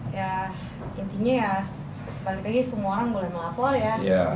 ya intinya ya balik lagi semua orang mulai melapor ya